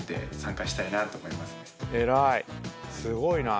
すごいな。